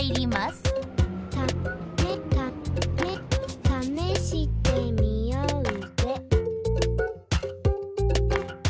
「ためためためしてみよーぜ」